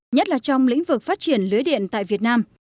nhất là trong lĩnh vực phát triển lưới điện tại việt nam